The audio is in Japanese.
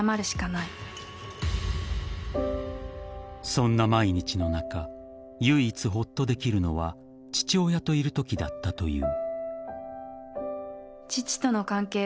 ［そんな毎日の中唯一ほっとできるのは父親といるときだったという］